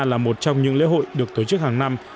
là một trong những lễ hội được tổ chức hàng năm